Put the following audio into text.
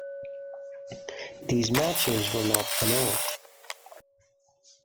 These matches were not annulled.